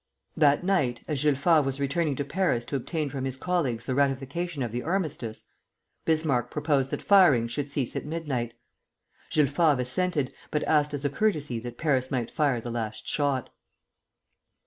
That night, as Jules Favre was returning to Paris to obtain from his colleagues the ratification of the armistice, Bismarck proposed that firing should cease at midnight. Jules Favre assented, but asked as a courtesy that Paris might fire the last shot.